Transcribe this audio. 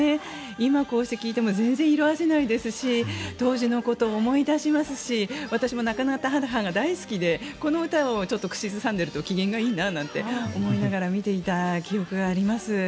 今、こうして聴いても全然色あせないですし当時のことを思い出しますし私も亡くなった母が大好きでこの歌を口ずさんでいると機嫌がいいななんて思いながら見ていた記憶があります。